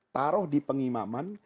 taruh di pengimaman